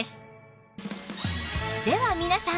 では皆さん